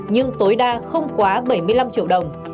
nhưng tối đa không quá bảy mươi năm triệu đồng